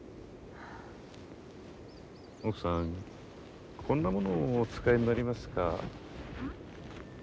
奥さんこんなものをお使いになりますか？